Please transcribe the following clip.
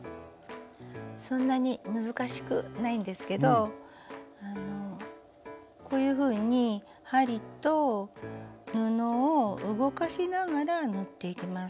そんなに難しくないんですけどこういうふうに針と布を動かしながら縫っていきます。